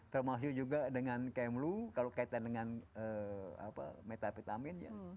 termasuk juga dengan kmlu kalau kaitan dengan metafitamin